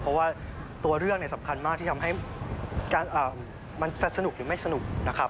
เพราะว่าตัวเรื่องสำคัญมากที่ทำให้มันจะสนุกหรือไม่สนุกนะครับ